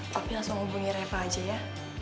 tapi langsung hubungi reva aja ya